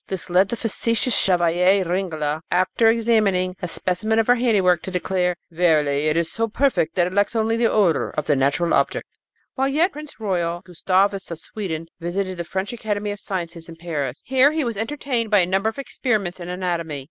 This led the facetious Chevalier Ringle, after examining a specimen of her handiwork, to declare, "Verily, it is so perfect that it lacks only the odor of the natural object." While yet prince royal, Gustavus of Sweden visited the French Academy of Sciences in Paris. Here he was entertained by a number of experiments in anatomy.